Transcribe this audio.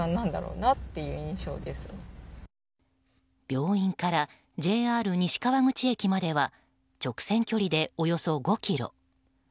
病院からＪＲ西川口駅までは直線距離でおよそ５ｋｍ。